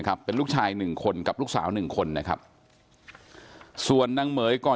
ครับเป็นลูกชาย๑คนกับลูกสาว๑คนนะครับส่วนนางเมย์ก่อน